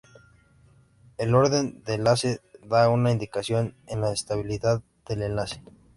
El orden de enlace da una indicación de la estabilidad del enlace.